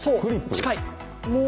近い。